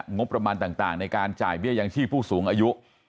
งบประมาณต่างในการจ่ายเบี้ยยังชีพผู้สูงอายุ